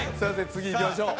次いきましょう。